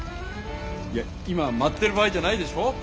いや今舞ってる場合じゃないでしょ？